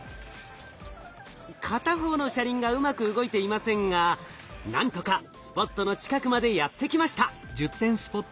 片方の車輪がうまく動いていませんがなんとかスポットの近くまでやって来ました。